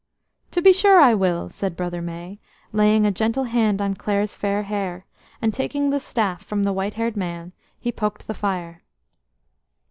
"To be sure I will," said Brother May, laying a gentle hand on Clare's fair hair; and taking the staff from the white haired man, he poked the fire.